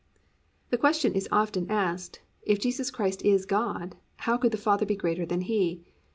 "+ The question is often asked, "If Jesus Christ is God, how could the Father be greater than He?"